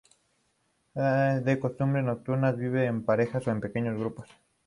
De costumbres nocturnas, vive en parejas o en pequeños grupos.